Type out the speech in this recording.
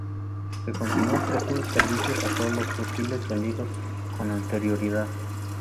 Se continuó ofreciendo servicio a todos los fusiles vendidos con anterioridad.